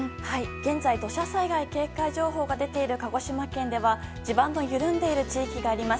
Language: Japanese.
現在土砂災害警戒情報が出ている鹿児島県では地盤の緩んでいる地域があります。